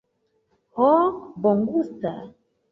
Ho, bongusta.